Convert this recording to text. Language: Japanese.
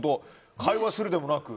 会話するでもなく。